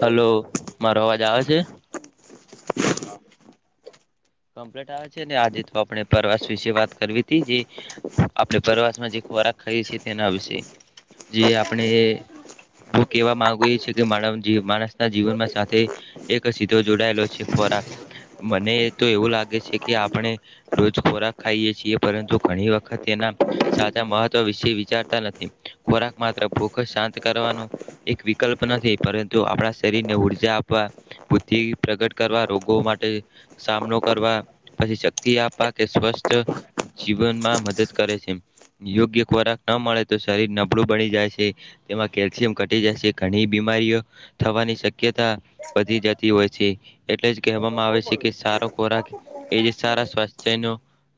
Hello મારો અવાજ આવે છે? હ હ કમ્પ્લીટ આવે છે? ને આજે તો આપણે પરવાસ વિશે વાત કરવી હતી જે આપે પરવાસ જે ખોરાક ખાઈએ છે તેના વિશે જે આપણે હું કેવા માંગએ માણસ ના જીવનમાં સાથે એક સીધો જોડાયેલો છે ખોરાક મને તો એવું લાગે છે કે આપણે રોજ ખોરાક ખાઈએ છીએ પરંતુ ઘણી વખત એના સાચા મહત્વ વિશે વિચારતા નથી ખોરાક માત્ર ભૂખ શાંત કરવાનું એક વિકલ્પ નથી પરંતુ આપણા શરીરને ઊર્જા આપવા બુદ્ધિ પ્રગટ કરવા રોગો માટે સામનો કરવા પછી શક્તિ આપવા કે સ્વસ્થ જીવનમાં મદદ કરે છે. યોગ્ય ખોરાક ન મળે તો શરીર નબળું બની જાય છે. તેમાં કેલ્શિયમ ઘટી જાય છે ઘણી બીમારીઓ થવાની શક્યતા વધી જતી હોય છે એટલે જ કહેવામાં આવે છે કે સારો ખોરાક એ જે સારા સ્વાસ્થ્યનો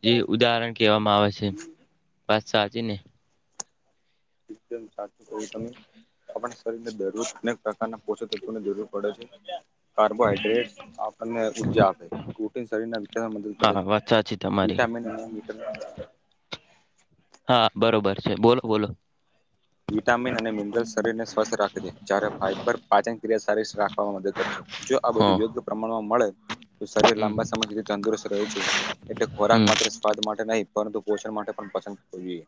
જે ઉદાહરણ કહેવામાં આવે છે પાત સાચી ને [inaudible] કરીને દરરોજ અનેક પ્રકારના પોષકતત્વોની જરૂર પડે છે. કાર્બોહાઈડ્રેટસ આપણને ઉર્જા આપે પ્રૂટીન શરીરને કરે હા છે વાત સાચી તમારી વિટામિન અને હા બરોબર છે બોલો બોલો. વિટામિન અને મિનરલ શરીરને સ્વસ્થ રાખે છે જ્યારે ફાઈબર પાચનક્રિયા સારી રાખવામાં મદદ કરે છે. જો આ બધું હા યોગ્ય પ્રમાણમાં મળે તો શરીર હમ લાંબા સમય સુધી તંદુરસ્ત રહે છે. એટલે હમ ખોરાક માત્ર સ્વાદ માટે નહીં પરંતુ પોષણ માટે પણ પસંદ કરવો જોઈએ.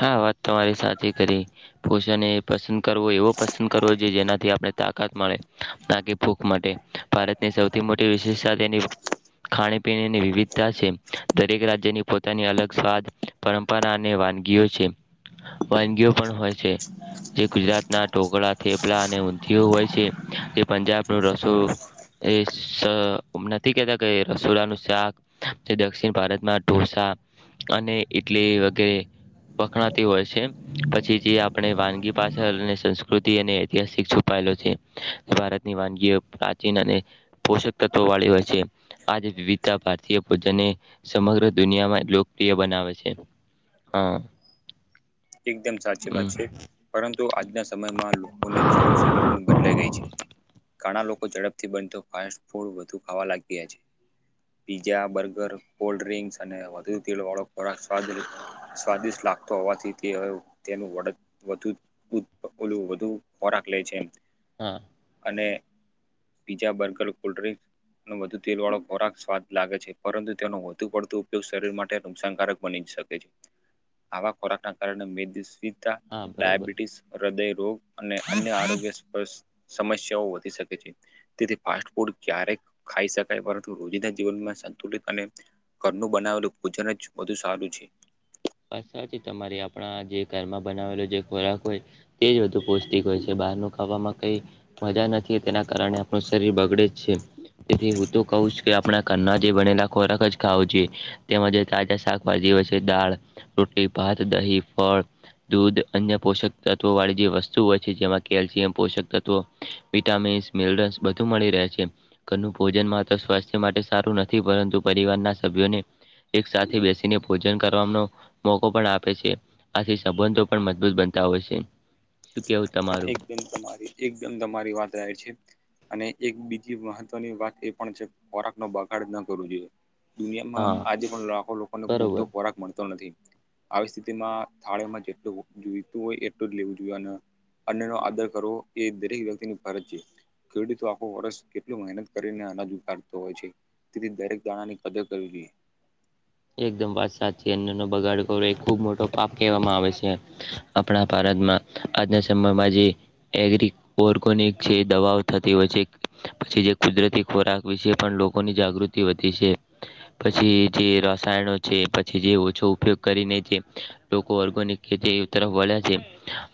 હા વાત તમારી સાચી કરી પોષણ એ પસંદ કરવો એવો પસંદ કરવો જોઈએ જેનાથી આપણે તાકાત મળે નાકી ભૂક માટે ભારતની સૌથી મોટી વિશેષતા તેની. ખાણી પીણીની વિવિધતા છે દરેક રાજ્યની પોતાની અલગ સ્વાદ. પરંપરા અને વાનગીઓ છે વાનગીઓ પણ હોય છે. જે ગુજરાતના ઢોકળા થેપલા અને ઊંધી હોય છે જે પંજાબનું રશુ એ સ નથી કેહેતા કે રસોડાનું શાક. જે દક્ષિણ ભારતમાં ઢોસા અને ઈડલી વગેરે પકણાતી હોય છે. પછી જે આપણે વાનગી પાછળ અને સંસ્કૃતિ અને ઐતિહાસિક છુપાયેલો છે. ભારતની વાનગીઓ પ્રાચીન અને પોષક તત્વો વાળી હોય છે આજે વિવિધતા ભારતીય ભોજન સમગ્ર દુનિયામાં લોકપ્રિય બનાવે છે. હા. એકદમ સાચી વાત હમ છે. પરંતુ આજના સમયમાં લોકોની જીવનશૈલી પણ બદલાઈ ગઈ છે. ઘાણા લોકો ઝડપથી બનતો ફાસ્ટ ફૂડ વધુ ખાવા લાગી ગયા છે. પીઝા બર્ગર કોલ્ડ ડ્રિંક્સ અને વધુ તીલ વાળો ખોરાક સ્વાદ સ્વાદિષ્ટ લા તોવાથી તે હવે તેનું વળ વધુ ઓલું વધુ ખોરાક લેય છે. હા. અને પીઝા બર્ગર કોલ્ડ ડ્રિંક અને વધુ તેલ વાળો ખોરાક સ્વાદ લાગે છે પરંતુ તેનો વધુ પડતો ઉપયોગ શરીર માટે નુકસાનકારક બની શ કે છે આવા ખોરાક ના કારણે [unintelligible] હા બરોબર ડાયાબિટીસ હૃદય રોગ અને અન્ય આરોગ્ય સમસ્યાઓ વધી શકે છે. તેથી ફાસ્ટ ફૂડ ક્યારેક ખાઈ શકાય પરંતુ રોજના જીવનમાં સંતુલિત અને. ઘરનું બનાવેલું ભોજન જ બધુ સારું છે. વાત સાચી તમારી આપણા જે ઘરમાં બનાવેલો જે ખોરાક હોય. તે જ બધું પૌષ્ટિક હોય છે બહારનું ખાવામાં કઈ મજા નથી તેના કારણે આપણું શરીર બગડે તેથી હું તો કહું જ કે આપણા ઘરના જે બનેલા ખોરાક જ ખાવો જોઈએ. તેમજ તાજા શાકભાજીઓ છે દાળ રોટલી ભાત દહી ફળ. દૂધ અન્ય પોષક તત્વોવાળી જે વસ્તુ હોય છે જેમાં કેલ્શિયમ પોષક તત્વો. વિટામીન્સ મિનરસ બધું મળી રહે છે. ઘરનું ભોજન માત્ર સ્વાસ્થ્ય માટે સારું નથી પરંતુ પરિવારના સભ્યોને. એક સાથે બેસીને ભોજન કરવાનો. મોકો પણ આપે છે આથી સંબંધો પણ મજબૂત બનતા હોય છે. શું કેવું તમારું એકદમ તમારી એકદમ તમારી વાત રાય છે. અને એક બીજી મહત્વની વાત એ પણ છે ખોરાક નો બગાડ નો કરવો જોઈએ. દુનિયામાં હા આજે પણ લાખો લોકોને પૂરતો બરોબર ખોરાક મળતો નથી. આવી સ્થિતિમાં થાળેમાં જેટલું જોઈતું હોય એટલું જ લેવું જોઈએ અન અન્ન નો આદર કરવો એ દરેક વ્યક્તિની ફરજ છે. ખેડૂતો આખો વર્ષ કેટલું મહેનત કરીને અનાજ ઉગાડતો હોય છે. તેથી દરેક દાણા ની કદર કરવી જોઈએ. એકદમ વાત સાચી અન્ન નો બગાડ કરો એ ખુબ મોટો પાપ કહેવામાં આવે છે. આપણા ભારતમાં આજના સમયમાં જે એગ્રી ઓર્ગોનિક છે દવાઓ થતી હોય છે પછી જે કુદરતી ખોરાક વિશે પણ લોકોની જાગૃત તી વધી છે પછી જે રા રાયણો છે પછી જે ઓછો ઉપયોગ કરીને જે લોકો ઓર્ગોનિક ખેતી તરફ વળ્યા છે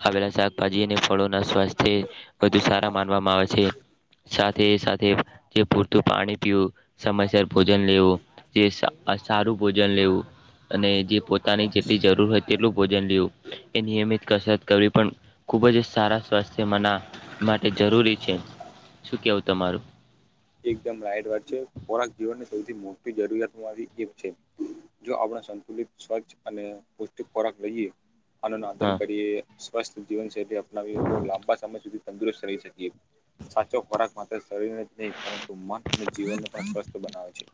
આવેલા શાકભાજી ને ફળો ના સ્વાસ્થ્ય વધુ સારા માનવામાં આવે છે સાથે સાથે જે પૂરતું પાણી પીવું સમયસર ભોજન લેવું જે સા સારું ભોજન લેવું. અને જે પોતાની જેટલી જરૂર હોય તેટલું ભોજન લેવું એ નિયમિત કસરત કરવી પણ ખુબ જ સારા સ્વાસ્થ્ય મના માટે જરૂરી છે શું કેવું તમારું? એકદમ રાઈટ વાત છે, ખોરાક જીવનની સૌથી મોટી જરૂરિયાત માહીએક છે. જો આપણા સંતુલિત સ્વચ્છ અને પૌષ્ટિક ખોરાક લઈએ આનો આદર હા કરીએ. સ્વસ્થ જીવનશૈલી અપનાવીએ તો લાંબા સમય સુધી તંદુરસ્ત રહી શકીએ. સાચો ખોરાક માત્ર શરીરને જ નહીં પરંતુ મન અને જીવનને પણ સ્વસ્થ બનાવે છે.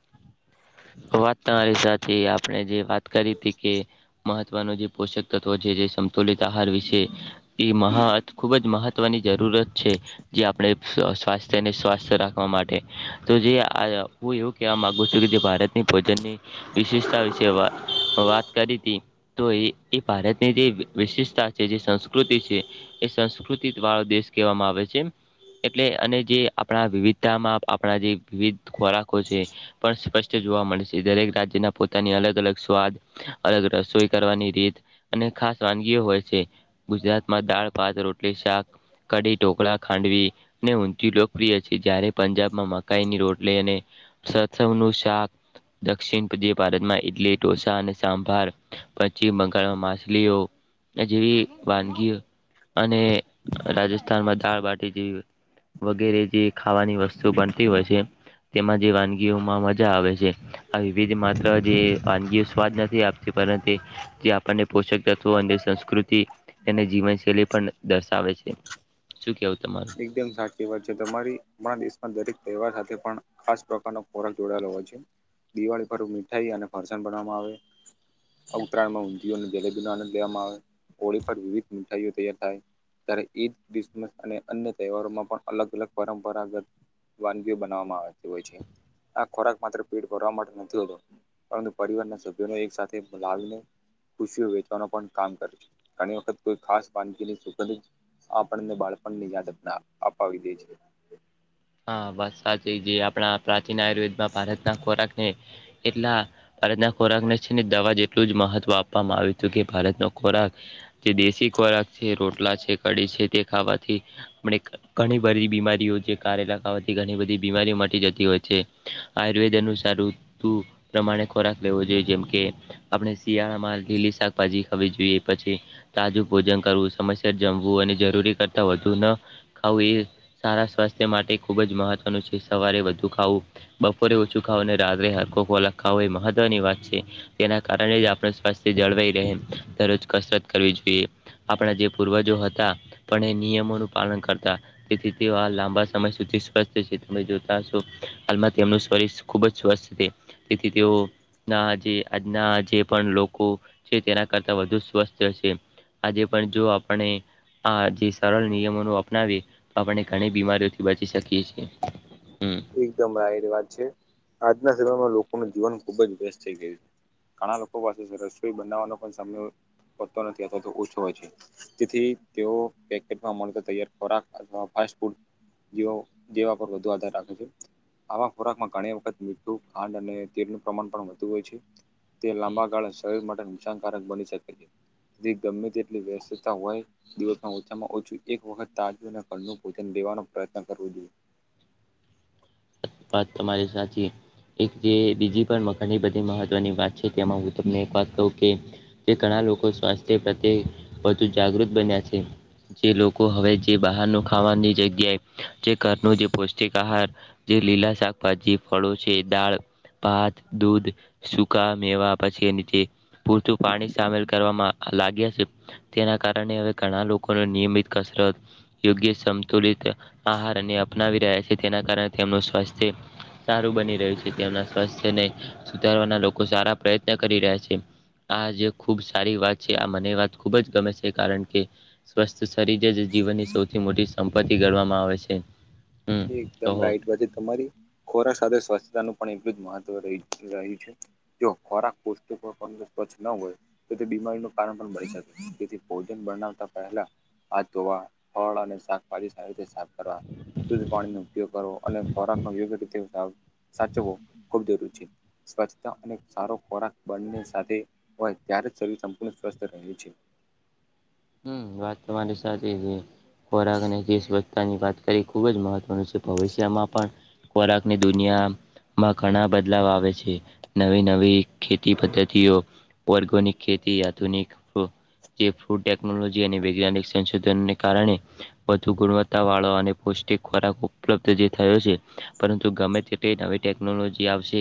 વાત તમારી સાથે આપણે જે વાત કરી હતી કે મહત્વનો જે પોષક તત્વો છે જે સમતુલિત આહાર વિશે એ મહા ખૂબ જ મહ ત્વ ની જરૂરત છે. જે આપણે સ્વાસ્થ્યને સ્વાસ્થ રાખવા માટે તો જે આ હું એવું કેવા માગુ છું કે જે ભારત ભોજનની વિશેષતા વિશે વાત કરી હતી. તો એ એ ભારતની જે વિશેષતા છે જે સંસ્કૃતિ છે. એ સંસ્કૃતિ દ વાળો દેશ કહેવામાં આવે છે. એટલે અને જે આપણા વિવિધતામાં આપણા જે વિવિધ ખોરાકો છે પણ સ્વસ્થ જોવા મળે છે દરેક રાજ્યના પોતાની અલગ અલગ સ્વાદ અલગ રસોઈ કરવાની રીત અને ખાસ વાનગીઓ હોય છે ગુજરાતમાં દાળ, ભાત, રોટલી, શાક, કડી, ઢોકળા, ખાંડવી, ને ઊંચી લોકપ્રિય છે જયારે પંજાબમાં મકાઈની રોટલી અને સરસવ નું શાક દક્ષિણ જે ભારતમાં ઇડલી ઢોસા અને સાંભાર પશ્ચિમ બંગાળમાં માછલીઓ જેવી વાનગી અને રાજસ્થાનમાં દાળ બાટી જેવી વગેરે જે ખાવાની વસ્તુ બનતી હોય છે તેમાં જે વાનગીઓમાં મજા આવે આ વિવિધ માત્ર જે વાનગી સ્વાદ નથી આપતી પરંતુ જે આપણને પોષક તત્વો અને સંસ્કૃતિ અને જીવનશૈલી પણ દર્શાવે છે. શું કેવું તમારે? એકદમ સાચી વાત છે, તમારી આપણા દેશમાં દરેક તહેવાર સાથે પણ ખાસ પ્રકારનો ખોરાક જોડાયેલો હોય છે દિવાળી પર મીઠાઈ અને ફરસણ બનાવામાં આવે. ઉત્તરાયણમાં ઊંધીયુ અને જલેબીનો આનંદ લેવામાં આવે હોળી પર વિવિધ મીઠાઈઓ તૈયાર થાય. ત્યારે ઈદ, ક્રિસમસ અને અન્ય તહેવારોમાં પણ અલગ અલગ પરંપરાગત વાનગીઓ બનાવવામાં આવતી હોય છે. આ ખોરાક માત્ર પેટ ભરવા માટે નથી હોતો. [unintelligible] પરિવારના સભ્યો એક સાથે લાવીને ખુશીઓ વેચવાનું પણ કામ કરે છે ઘણી વખત કોઈ ખાસ વાનગીની સુખંધિત આપણને બાળપણ ની યાદ અપાવી દે છે હા વાત સાચી જે આપણા પ્રાચીન આયુર્વેદમાં ભારત ના ખોરાક ને એટલા ભારતના ખોરાકને છેને દવા જ એટલું જ મહત્વ આપવામાં આવ્યું હતું કે ભારતનો ખોરાક જે દેશી ખોરાક છે, રોટલા છે, કઢી છે, તે ખાવાથી આપ ઘણી બધી બીમારીઓ જે કારેલા ખાવાથી ઘણી બધી બીમારી મટી જતી હોય છે, આયુર્વેદ ન સારું પ્રમાણે ખોરાક લેવો જોઈએ જેમ કે આપણે શિયાળામાં લીલી શાકભાજી ખાવી જોઈએ પછી તાજું ભોજન કરવું સમર સર જમવું અને જરૂરી કરતા વધુ ન ખાવું એ સારા સ્વાસ્થ્ય માટે ખુબ જ મહત્વનું છે સવારે વધુ ખાવું બપોરે ઓછું ખાવું અને રાત્રે હકોક ખાવો એ મહત્વની વાત છે. તેના કારણે જ આપણ સ્વાસ્થ્ય જળવાઈ રહે દરરોજ કસરત કરવી જોઈએ. આપણા જે પૂર્વજો હતા પણ એ નિયમોનું પાલન કરતા તેથી તે આ લાંબા સ સમય સુધી સ્વસ્થ છે, તમે જોતા હશો હાલમાં તેમનું શરીર ખુબ જ સ્વસ્થ છે. તેથી તેઓ ના જે આજના જે પણ લોકો છે તેના કરતા વધુ સ્વસ્થ છે. આજે પણ જો આપણે આ જે સરળ નિયમોનું અપનાવી તો આપણે ઘણી બીમારીઓથી બચી શકીએ છીએ હમ એકદમ રાાય વાત છે આજના સમયમાં લોકોનું જીવન ખુબ જ વ્યસ્ત થઈ ગયું છે ઘણા લોકો પાસે રસોઈ બનાવવાનો પણ સમય પતો નથી અથવા તો ઓછો હોય છે તેથી તેઓ પેકેટમાં મળતા તૈયાર ખોરાક અથવા ફ ફૂડ જીવો જીવા પર વધુ આધાર રાખ આવા ખોરાકમાં ઘણી વખત મીઠું ખાંડ અને તેલનું પ્રમાણ પણ વધતુ હોય છે તે હમ લાંબા ગાળા શરીર માટે નુકસાનકારક બની શકે છે તે ગમે તેટલી વ્યસ્તતા હોય દિવસમાં ઓછામાં ઓછું એક વખત તાજું અને કનું ભોજન દેવાનો પ્રયત્ન કરવો જોઈએ વાત તમારી સાચી એક જે બીજી પણ મ ઘણી બધી મહત્વની વાત છે તેમાં હું તમને એક વાત કહું કે તે ઘણા લોકો સ્વાસ્થ્ય પ્રત્યે વધુ જાગૃત બન્યા છે જે લોકો હવે જે બહારનું ખાવાની જગ્યાએ જે ઘરનું જે પૌષ્ટિક આહાર જે લીલા શાકભાજી ફળો છે દાળ ભાત દૂધ સુકા મેવા પછી નીચે પૂરતું પાણી સામેલ કરવામાં લાગ્યા છે તેના કારણે હવે ઘણા લોકોને નિયમિત કસરત યોગ્ય સંતુલિત આહાર અને અપનાવી રહ્યા છે તેના કારણે તેમનું સ્વાસ્થ્ય સારું બની રહ્યું છે તેમના સ્વાસ્થ્યને સુધારવાના લોકો સારા પ્રયત્ન કરી રહ્યા છે આ જે ખૂબ સારી વાત છે આ મને વાત ખુબ જ ગમે છે કારણ કે સ્વસ્થ શરીર જ જીવનની સૌથી મોટી સંપત્તિ ગણવામાં આવે છે હમ એકદમ કહો રાઈટ વાસે તમારી ખોરા સાથે સ્વસ્થતાનું પણ એટલું જ મહત્વ રહ્યું છે જો ખોરાક કોષત પર પંદ સ્ચ્છ ના હોય તો તે બીમારીનું કારણ પણ બની શકે તેથી ભોજન બનાવતા પહેલા હાથ ધોવા ફળ અને શાકભાજી સારી રીતે સાફ કરવા શુદ્ધ પાણીનો ઉપયોગ કરવો અને ખોરાકનો યોગ્ય રીતે સાચવો ખૂબ જરૂરી છે સ્વચ્છતા અને સારો ખોરાક બળને સાથે હોય ત્યારે જ શરીર સંપૂર્ણ સ્વસ્થ રહે છે હમ વાત તમારી સાથે છે ખોરાક અને ગીસ બત્તા ની વાત કરી ખુબજ મહત્વનું છે ભવિષ્યમાં પણ ખોરાક ની દુનિયા માં ઘણા બદલાવ આવે છે નવી નવી ખેતી પદ્ધતિઓ ઓર્ગનિક ખેતી આધુનિક જે ફૂ ટેકનોલોજી અને વૈજ્ઞાનિક સંશોધનને કારણે વધુ ગુણવત્તા વાળો અને પૌષ્ટિક ખોરાક ઉપલબ્ધ જે થયો છે પરંતુ ગમે તેટ નવી ટેકનોલોજી આવશે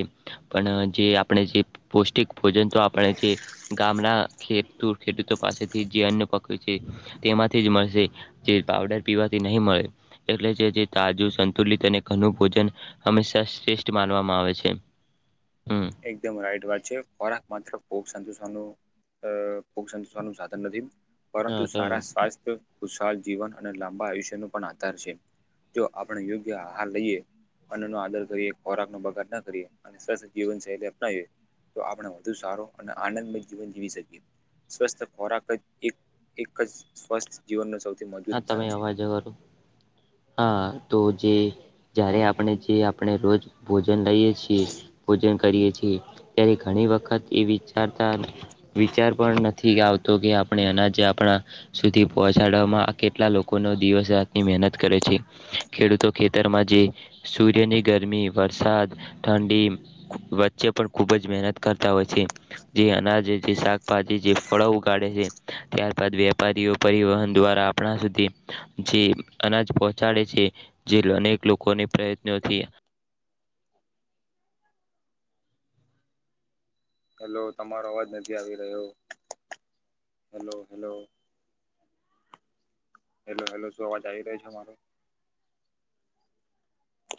પણ જે આપણે જે પૌષ્ટિક ભોજન તો આપણે છે ગામના ખેતૂ ખેડૂતો પાસેથી જે અન્ય પક્ષી છે તેમાંથી જ મળશે જે પાવડર પીવાથી નહી મળે એટલે જે તાજું સંતુલિત અને ઘનુ ભોજન હંમેશા શ્રેષ્ઠ માનવામાં આવે છે હમ એકદમ રાઈટ વાત છે ખોરાક માત્ર ખૂબ સંતુષવાનું અ પોવાનું સાધન નથી પરંતુ હા તમે સારા સ્વાસ્થ્ય ખુશહાલ જીવન અને લાંબા આયુષ્ય ન પણ આધાર છે જો આપણે યોગ્ય આહાર લઈએ અન્ન નો આદર કરીએ ખોરાક નો બગાડ ના કરીએ અને સરસ જીવનશૈલી અપનાવીએ તો આપણે વધુ સારો અને આનંદમય જીવન જીવી શકીએ સ્વસ્થ ખોરાક જ એક એક જ સ્વસ્થ જીવનનો સૌથી મજબૂત પાયો છે. સાજ કરું. હા તો જે જ્યારે આપણે જે આપણે રોજ. ભોજન લઈએ છીએ ભોજન કરીએ છીએ ત્યારે ઘણી વખત એ વિચારતા. વિચાર પણ નથી આવતો કે આપણે અનાજે આપણા સુધી પહોંચાડવામાં. કેટલા લોકોનો દિવસ રાતની મહેનત કરે છે ખેડૂતો ખેતરમાં જે. સૂર્યની ગરમી વરસાદ ઠંડી વચ્ચે પણ ખુબ જ મહેનત કરતા હોય છે. જે અનાજ જે શાકભાજી જે ફળો ઉગાડે છે ત્યારબાદ વેપારીઓ પરિવહન દ્વારા આપણા સુધી જે અનાજ પહોંચાડે છે જે અનેક લોકોને પ્રયત્નોથી હેલો તમારો અવાજ નથી આવી રહ્યો હલો હેલો હેલો હેલો શું અવાજ આવી રહ્યો છે મારો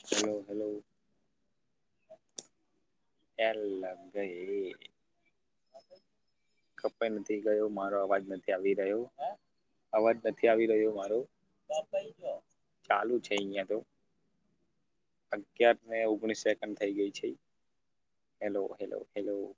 હેલો હેલો એલ લગઈ કપાઈ નથી ગયો મારો અવાજ નથી આવી રહ્યો અવાજ નથી આવી રહ્યો મારો ચાલુ છે અહિયાં તો. અગિયાર ને ઓગણીસ સેકન્ડ થઈ ગઈ છે હેલો હેલો હેલો